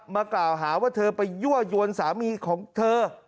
มากล่าวหาว่าเธอไปยั่วยวนสามีของเธอ